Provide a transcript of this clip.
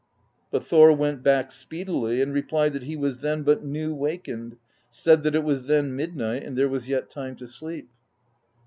But Thor went back speedily, and replied that he was then but new wakened; said that it was then midnight, and there was yet time to sleep.